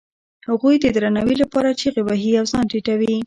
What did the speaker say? هغوی د درناوي لپاره چیغې وهي او ځان ټیټوي.